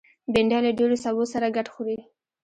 بېنډۍ له ډېرو سبو سره ګډ خوري